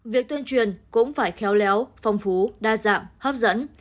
việc tuyên truyền cũng phải khéo léo phong phú đa dạng hấp dẫn